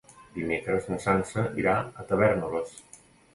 Dimecres na Sança irà a Tavèrnoles.